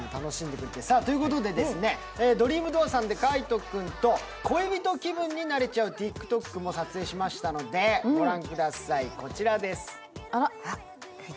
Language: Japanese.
ドリームドアさんで海音君と恋人気分になれちゃうＴｉｋＴｏｋも撮影しましたので御覧ください、こちらです。